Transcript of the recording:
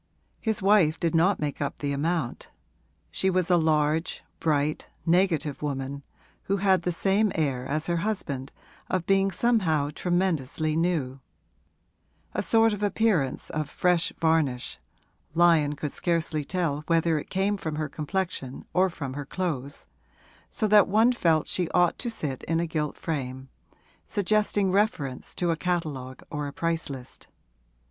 His wife did not make up the amount; she was a large, bright, negative woman, who had the same air as her husband of being somehow tremendously new; a sort of appearance of fresh varnish (Lyon could scarcely tell whether it came from her complexion or from her clothes), so that one felt she ought to sit in a gilt frame, suggesting reference to a catalogue or a price list.